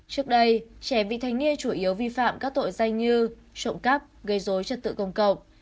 trước đây trẻ vị thanh niên chủ yếu vi phạm các tội danh như trộm cắp gây dối trật tự công cộng